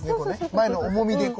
前の重みでこう。